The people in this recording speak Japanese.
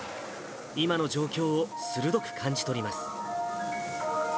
今の状況を鋭く感じ取ります。